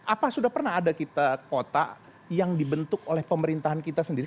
apa sudah pernah ada kita kota yang dibentuk oleh pemerintahan kita sendiri